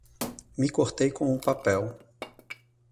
Me cortei com o papel